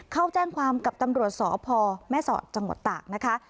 เข้าแจ้งความกับตำรวจสพแม่สอดจังหวัดตากนะคะ